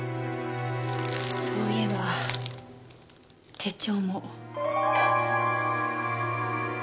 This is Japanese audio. そういえば手帳も。